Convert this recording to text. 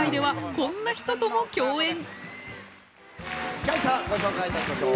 司会者ご紹介いたしましょう。